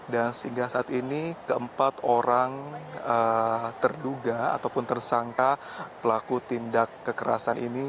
dan sehingga saat ini keempat orang terduga ataupun tersangka pelaku tindak kekerasan ini